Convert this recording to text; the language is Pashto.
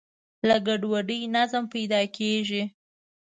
له ګډوډۍ نظم پیدا کېږي.